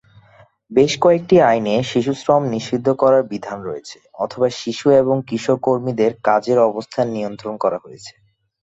বেশ কয়েকটি আইনে শিশুশ্রম নিষিদ্ধ করার বিধান রয়েছে, অথবা শিশু এবং কিশোর কর্মীদের কাজের অবস্থা নিয়ন্ত্রণ করা হয়েছে।